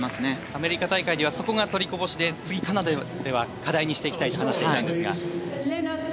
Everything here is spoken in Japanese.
アメリカ大会ではそこが取りこぼしで次、カナダでは課題にしていきたいと話していたんですが。